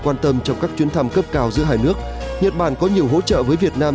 quan tâm trong các chuyến thăm cấp cao giữa hai nước nhật bản có nhiều hỗ trợ với việt nam